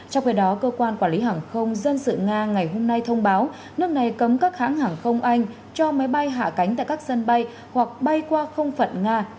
trong khi đó cơ quan quản lý hàng không dân sự nga ngày hôm nay thông báo nước này cấm các hãng hàng không anh cho máy bay hạ cánh tại các sân bay hoặc bay qua không phận nga